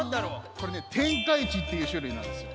これね天下一っていうしゅるいなんですよ。